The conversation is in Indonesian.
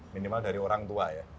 minimal dari orang tua ya